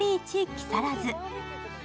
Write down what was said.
木更津。